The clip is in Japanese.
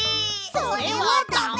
それはダメ！